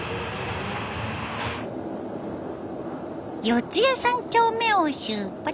四谷三丁目を出発。